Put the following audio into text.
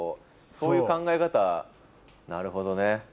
そういう考え方なるほどね。